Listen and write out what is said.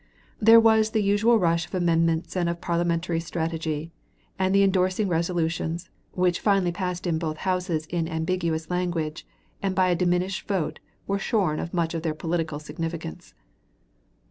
There was the usual rush of amendments and of parliamentary strategy, and the indorsing resolutions, which finally passed in both Houses in ambiguous language and by a diminished vote were shorn of much of their political significance.